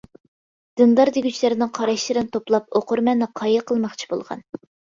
دىندار دېگۈچىلەرنىڭ قاراشلىرىنى توپلاپ ئوقۇرمەننى قايىل قىلماقچى بولغان.